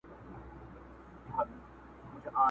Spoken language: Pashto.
همدې ژبي يم تر داره رسولى.!